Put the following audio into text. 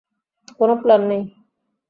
কোন প্লান নেই।